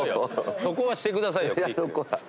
そこはしてくださいよクリック。